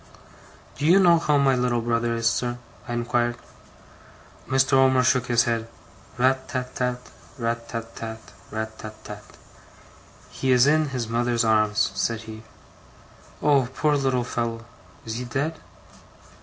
'Do you know how my little brother is, sir?' I inquired. Mr. Omer shook his head. 'RAT tat tat, RAT tat tat, RAT tat tat.' 'He is in his mother's arms,' said he. 'Oh, poor little fellow! Is he dead?